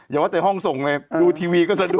อย่าว่าแต่ห้องส่งเลยดูทีวีก็สะดุ